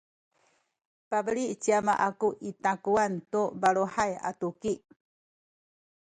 pabeli ci ama aku i takuwan tu baluhay a tuki